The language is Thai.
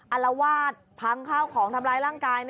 อารวาสพังข้าวของทำร้ายร่างกาย